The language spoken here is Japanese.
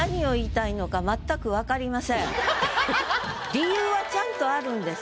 理由はちゃんとあるんです。